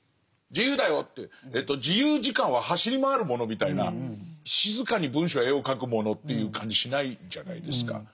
自由だよって自由時間は走り回るものみたいな静かに文章や絵をかくものっていう感じしないじゃないですか。